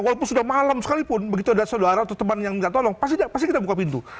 walaupun sudah malam sekalipun begitu ada saudara atau teman yang nggak tolong pasti kita buka pintu